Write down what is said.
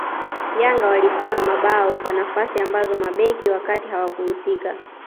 Yanga walifunga mabao kwa nafasi ambazo mabeki wa kati hawakuhusiki